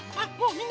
みんな。